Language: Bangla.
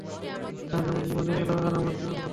রাজ আমার জীবনে এলো, আর আমার জীবন বদলে গেলো।